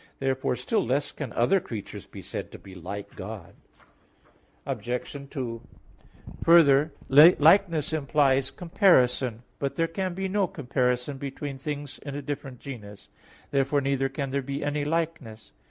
Therefore still less can other creatures be said to be like God. Obj. 2: Further, likeness implies comparison. But there can be no comparison between things in a different genus. Therefore neither can there be any likeness.